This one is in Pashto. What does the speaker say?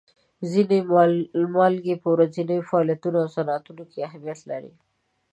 ځینې مالګې په ورځیني فعالیتونو او صنعت کې اهمیت لري.